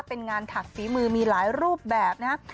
เป็นงานถักฝีมือมีหลายรูปแบบนะครับ